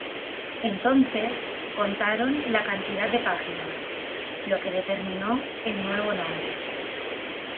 Entonces, contaron la cantidad de páginas, lo que determinó el nuevo nombre.